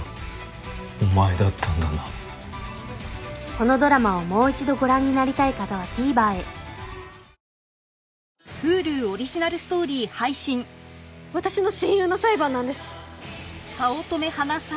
このドラマをもう一度ご覧になりたい方はＴＶｅｒへ私の親友の裁判なんです。